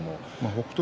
北勝